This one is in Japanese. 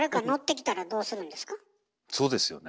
そうですよね。